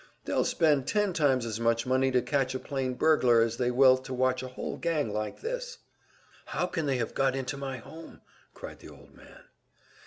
They'll spend ten times as much money to catch a plain burglar as they will to watch a whole gang like this." "How can they have got into my home?" cried the old man.